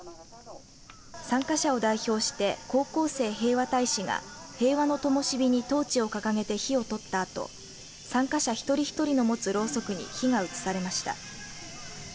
参加者を代表して高校生平和大使が平和の灯にトーチを掲げて火を取ったあと参加者一人一人の持つろうそくに火が移されました。